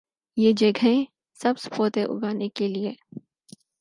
یہ جگہیں سبز پودے اگانے کے لئے